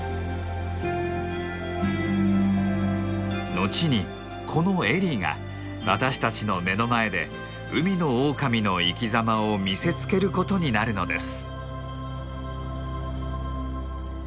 後にこのエリーが私たちの目の前で海のオオカミの生きざまを見せつけることになるのです。